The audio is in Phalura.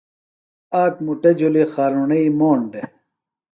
آک مُٹہ جُھلیۡ خارُرݨئی موݨ دےۡ۔